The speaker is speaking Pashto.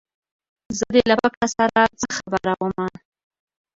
زه دې له پکه سره څه خبره ومه